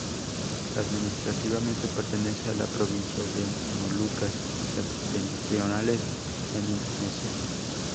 Administrativamente pertenece a la provincia de Molucas septentrionales, en Indonesia.